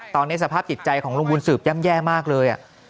ตอนนี้สภาพจิตใจของลุงบุญสืบย่ำแย่มากเลย